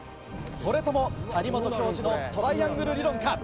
それとも谷本教授のトライアングル理論か？